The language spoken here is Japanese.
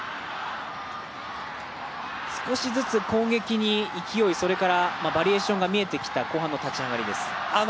少しずつ攻撃に勢い、それからバリエーションが見えてきた後半の立ち上がりです。